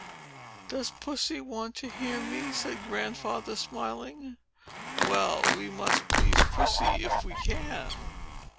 "Does Pussy want to hear me?" said Grandfather, smiling. "Well; we must please Pussy, if we can!"